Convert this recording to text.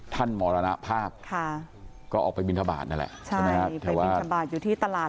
ท่านมรณภาพค่ะก็ออกไปบินทบาทนั่นแหละใช่ไปบินทบาทอยู่ที่ตลาด